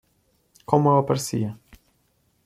Como ela parecia?